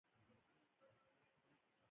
د ځیګر د غوړ لپاره باید څه شی وڅښم؟